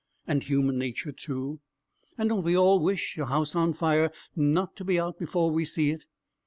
and human nature too? and don't we all wish a house on fire not to be out before we see it?